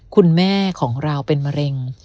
คุณแม่ของเราเป็นมะเร็ง